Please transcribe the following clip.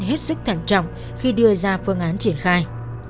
hết sức thẳng trọng khi đưa ra phương án triển khai